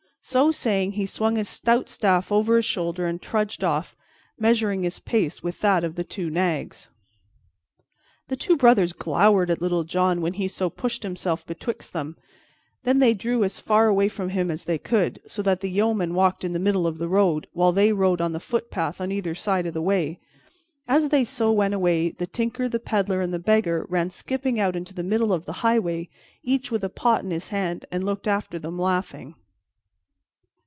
So saying, he swung his stout staff over his shoulder and trudged off, measuring his pace with that of the two nags. The two brothers glowered at Little John when he so pushed himself betwixt them, then they drew as far away from him as they could, so that the yeoman walked in the middle of the road, while they rode on the footpath on either side of the way. As they so went away, the Tinker, the Peddler, and the Beggar ran skipping out into the middle of the highway, each with a pot in his hand, and looked after them laughing.